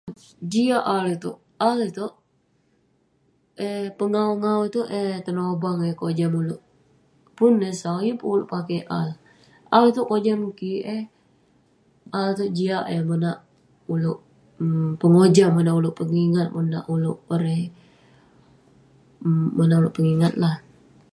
Jiak ai iteuk. Ai iteuk eh pengou-ngou eh tenobang eh kojam ulouk. Pun eh sau, yeng pun ulouk pake ai. Ai iteuk kojam kik eh, ai jiak eh monak ulouk pongojam, monak ulouk pengingat eh.